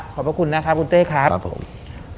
ขอบพระคุณนะครับคุณเต้ครับ